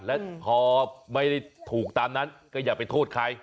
ถ้าไม่ถูกตามนั้นก็อย่าไปโทษใคร